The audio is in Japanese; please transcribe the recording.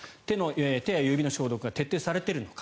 手や指の消毒が徹底されているのか。